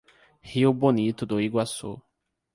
Rio Bonito do Iguaçu